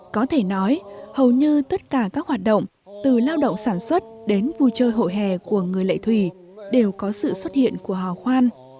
có thể nói hầu như tất cả các hoạt động từ lao động sản xuất đến vui chơi hộ hè của người lệ thủy đều có sự xuất hiện của hò khoan